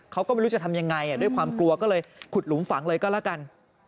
เขาก็ไม่รู้จะทำยังไงด้วยความกลัวก็เลยขุดหลุมฝังเลยก็แล้วกัน